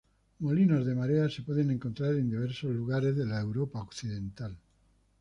Molinos de marea se pueden encontrar en diversos lugares de la Europa Occidental.